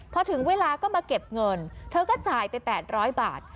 พอถึงเวลาก็มาเก็บเงินเธอก็จ่ายไป๘๐๐บาท